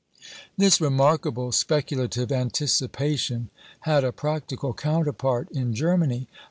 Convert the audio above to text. This remarkable speculative anticipation had a practical counterpart in Germany.